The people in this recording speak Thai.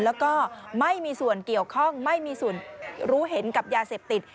แล้วก็ไม่มีส่วนเกี่ยวข้องไม่มีส่วนรู้เห็นกับยาเสพติด